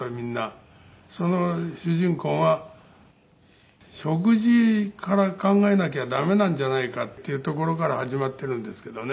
その主人公が食事から考えなきゃ駄目なんじゃないかっていうところから始まっているんですけどね。